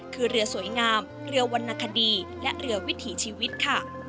คือเรือสวยงามเรือวรรณคดีและเรือวิถีชีวิตค่ะ